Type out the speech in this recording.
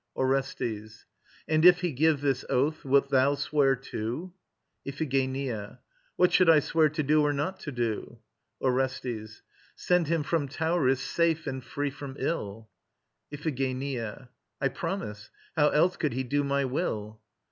ORESTES. And if he give this oath, wilt thou swear too? IPHIGENIA. What should I swear to do or not to do? ORESTES. Send him from Tauris safe and free from ill. IPHIGENIA. I promise. How else could he do my will?